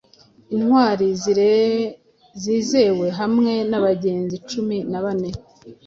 Intwali zizewe hamwe nabagenzi cumi na bane